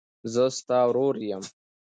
زه ستا ورور یم.